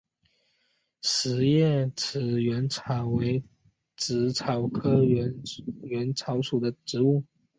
匙叶齿缘草为紫草科齿缘草属的植物。